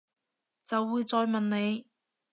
就會再問你